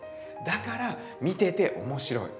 だから見てて面白い。